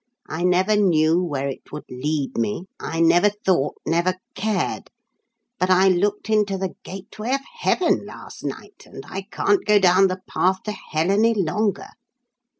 I never knew where it would lead me I never thought, never cared but I looked into the gateway of heaven last night, and I can't go down the path to hell any longer.